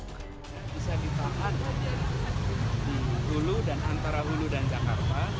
bisa dipakai di hulu dan antara hulu dan jakarta